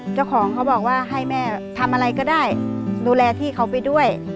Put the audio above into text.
เจ้าของเขาบอกว่าให้แม่ทำอะไรก็ได้ดูแลพี่เขาไปด้วย